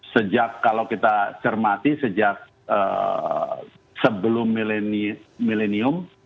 sejak kalau kita cermati sejak sebelum milenium